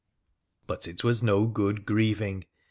But it was no good grieving.